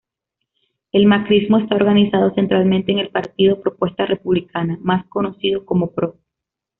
El macrismo está organizado centralmente en el partido Propuesta Republicana, más conocido como Pro.